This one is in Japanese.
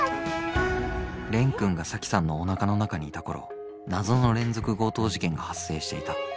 蓮くんが沙樹さんのおなかの中にいた頃謎の連続強盗事件が発生していた。